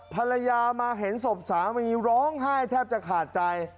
ภรรยามาเห็นศพสามีร้องไห้แทบจะขาดใจ